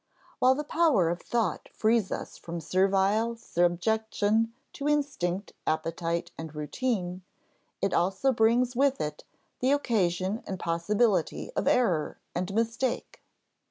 While the power of thought frees us from servile subjection to instinct, appetite, and routine, it also brings with it the occasion and possibility of error and mistake.